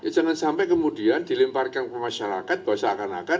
jangan sampai kemudian dilemparkan ke masyarakat bahwa saya tidak berpengalaman